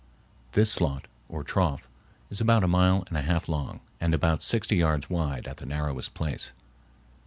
This slot, or trough, is about a mile and a half long and about sixty yards wide at the narrowest place.